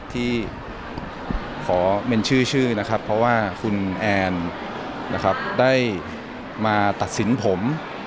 ที่ขอเป็นชื่อชื่อนะครับเพราะว่าคุณแอนนะครับได้มาตัดสินผม